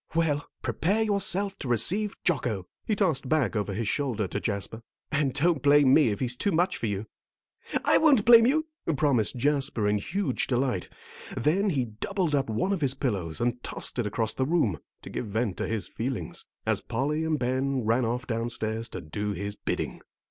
"Well, prepare yourself to receive Jocko," he tossed back over his shoulder to Jasper; "and don't blame me if he's too much for you." "I won't blame you," promised Jasper, in huge delight; then he doubled up one of his pillows and tossed it across the room, to give vent to his feelings, as Polly and Ben ran off downstairs to do his bidding.